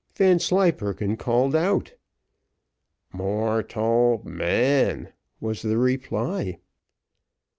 Vanslyperken called out, "Mor tal man," was the reply.